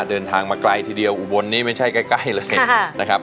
เดินทางมาไกลทีเดียวอุบลนี้ไม่ใช่ใกล้เลยนะครับ